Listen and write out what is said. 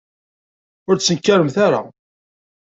Ur ttnekkaremt ara.